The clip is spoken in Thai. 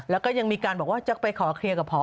แล้วก็ยังมีการบอกว่าจะไปขอเคลียร์กับพอ